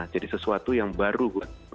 jadi sesuatu yang baru